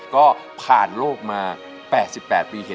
ก็ผ่านโลกมา๘๘ปี